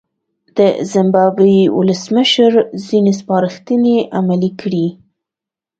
د زیمبابوې ولسمشر ځینې سپارښتنې عملي کړې.